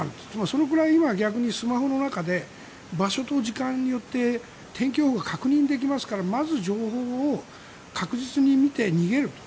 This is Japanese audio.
そのぐらい今、逆にスマホの中で場所と時間によって天気予報が確認できますからまず情報を確実に見て逃げると。